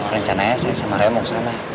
rencana ya saya sama raya mau ke sana